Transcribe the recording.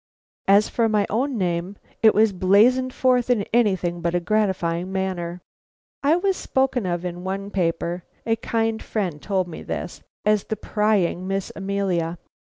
As for my own name, it was blazoned forth in anything but a gratifying manner. I was spoken of in one paper a kind friend told me this as the prying Miss Amelia.